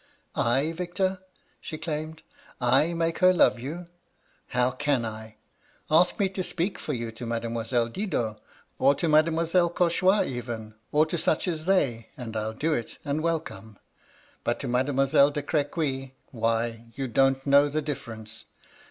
"*I, Victor!' she exclaimed. *I make her love you? How can I? Ask me to speak for you to Mademoiselle Didot, or to Mademoiselle Cauchois even, or to such as they, and I'll do it, and welcome. But to Mademoiselle de Crequy, why you don't know the difference!